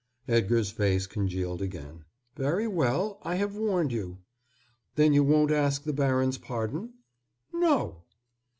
Edgar's face congealed again. "Very well. I have warned you." "Then you won't ask the baron's pardon?" "No."